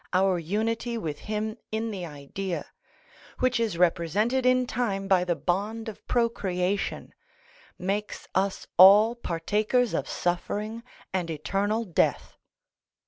_, our unity with him in the Idea, which is represented in time by the bond of procreation, makes us all partakers of suffering and eternal death.